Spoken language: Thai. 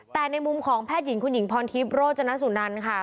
แต่ในมุมของแพทย์หญิงคุณหญิงพรทิพย์โรจนสุนันค่ะ